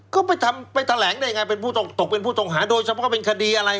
ก็ไปทำไปแถลงได้ไงเป็นผู้ต้องตกเป็นผู้ต้องหาโดยเฉพาะเป็นคดีอะไร